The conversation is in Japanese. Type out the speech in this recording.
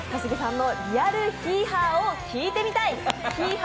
小杉さんのリアルヒーハーを聞いてみたい。